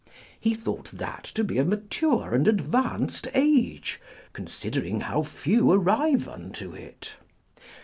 He thought that to be a mature and advanced age, considering how few arrive unto it.